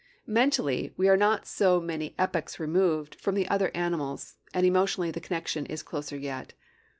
Mentally, we are not so many epochs removed from the other animals, and emotionally the connection is closer yet.